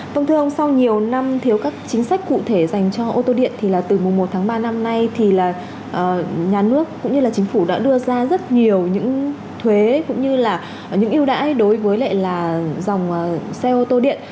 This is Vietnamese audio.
vâng thưa ông sau nhiều năm thiếu các chính sách cụ thể dành cho ô tô điện thì là từ mùa một tháng ba năm nay thì là nhà nước cũng như là chính phủ đã đưa ra rất nhiều những thuế cũng như là những ưu đãi đối với lại là dòng xe ô tô điện